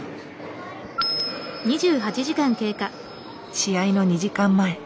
試合の２時間前。